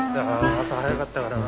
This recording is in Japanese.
朝早かったからなあ。